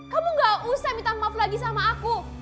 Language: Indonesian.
kamu gak usah minta maaf lagi sama aku